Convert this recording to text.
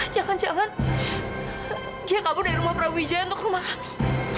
jangan jangan dia kabur dari rumah prawijaya untuk rumah kami